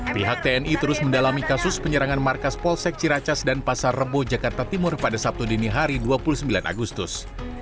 pihak tni terus mendalami kasus penyerangan markas polsek ciracas dan pasar rebo jakarta timur pada sabtu dini hari dua puluh sembilan agustus